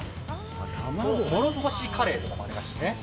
もろこしカレーとかもありますしね。